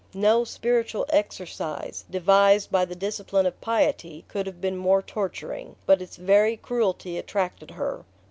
No "spiritual exercise" devised by the discipline of piety could have been more torturing; but its very cruelty attracted her.